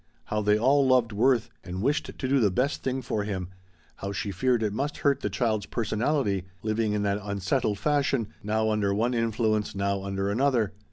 How they all loved Worth and wished to do the best thing for him, how she feared it must hurt the child's personality, living in that unsettled fashion, now under one influence, now under another.